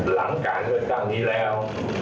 หลังการเงินจังทีแล้ว